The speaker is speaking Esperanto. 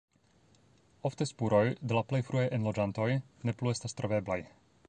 Ofte spuroj de la plej fruaj enloĝantoj ne plu estas troveblaj.